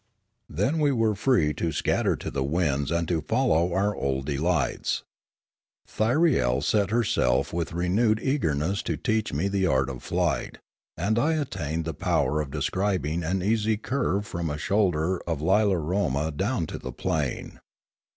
Then we were free to scatter to the winds and to fol low our old delights. Thyriel set herself with renewed eagerness to teach me the art of flight, and I attained the power of describing an easy curve from a shoulder of Lilaroma down to the plain.